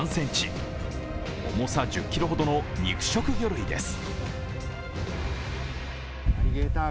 重さ１０ｋｇほどの肉食魚類です。